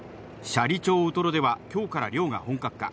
斜里町ウトロでは、きょうから漁が本格化。